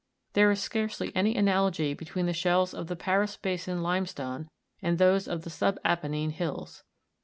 There is scarcely any analogy between the shells of the Paris basin limestone and those of the subapennine hills.